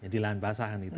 di lahan basah itu